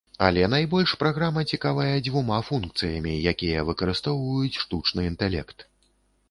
Але найбольш праграма цікавая дзвюма функцыямі, якія выкарыстоўваюць штучны інтэлект.